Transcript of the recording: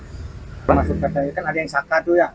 maksudnya kan ada yang saka tuh ya